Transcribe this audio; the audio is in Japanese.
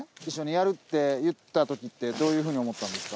やるって言ったときってどういうふうに思ったんですか？